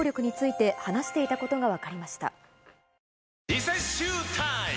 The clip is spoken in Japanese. リセッシュータイム！